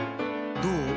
どう？